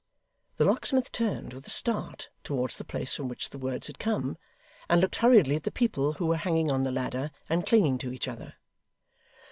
The locksmith turned, with a start, towards the place from which the words had come, and looked hurriedly at the people who were hanging on the ladder and clinging to each other.